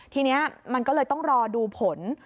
ทีนี้มันก็เลยต้องรอดูผล